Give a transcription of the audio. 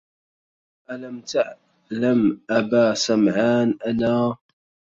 ألم تعلم أبا سمعان أنا